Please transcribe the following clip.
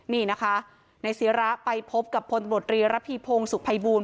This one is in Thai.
นี่นะคะนายศิระไปพบกับพลตำรวจรีระพีพงศุภัยบูรณ